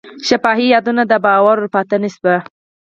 شفاهي یادونه د باور وړ پاتې نه شوه.